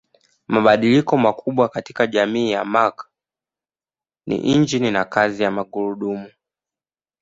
Mabadiliko makubwa katika jamii ya Mark ni injini na kazi ya magurudumu.